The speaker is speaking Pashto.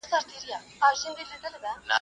ياد مي ته که، مړوي به مي خدای.